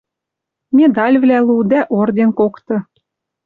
Медальвлӓ лу дӓ орден кокты!